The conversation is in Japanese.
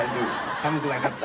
寒くなかった？